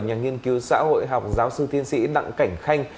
nhà nghiên cứu xã hội học giáo sư tiên sĩ đặng cảnh khanh